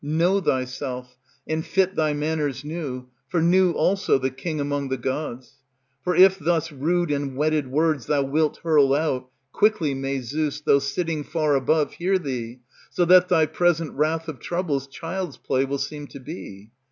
Know thyself, and fit thy manners New; for new also the king among the gods. For if thus rude and whetted words Thou wilt hurl out, quickly may Zeus, though sitting Far above, hear thee, so that thy present wrath Of troubles child's play will seem to be.